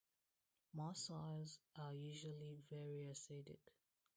More soils are usually very acidic.